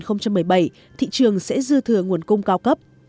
năm hai nghìn một mươi bảy thị trường sẽ dư thừa nguồn cung cao cấp